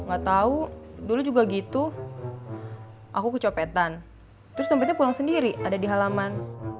gak tahu dulu juga gitu aku kecopetan terus tempatnya pulang sendiri ada di halaman